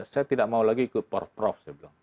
saya tidak mau lagi ikut prof